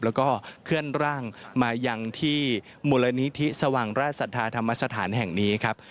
แล้วก็เคลื่อนร่างมายังที่มูลนิธิสว่างราชศรัทธาธรรมสถานแห่งนี้ครับ